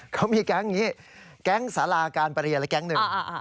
เขามีแก๊งนี้แก๊งสาราการประเรียนและแก๊งหนึ่ง